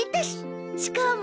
しかも。